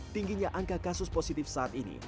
tingginya angka kasus positif saat ini